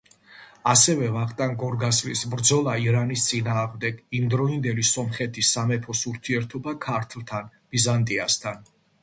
ასევე ვახტანგ გორგასლის ბრძოლა ირანის წინააღმდეგ, იმდროინდელი სომხეთის სამეფოს ურთიერთობა ქართლთან, ბიზანტიასთან.